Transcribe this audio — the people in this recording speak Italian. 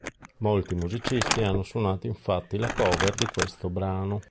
Molti musicisti hanno suonato infatti la cover di questo brano.